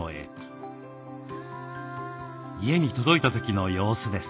家に届いた時の様子です。